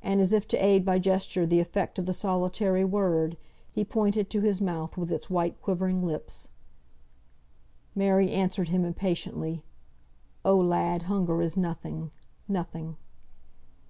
And, as if to aid by gesture the effect of the solitary word, he pointed to his mouth, with its white quivering lips. Mary answered him impatiently, "Oh, lad, hunger is nothing nothing!"